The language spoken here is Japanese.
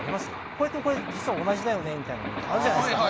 これとこれ実は同じだよねみたいなものもあるじゃないですか。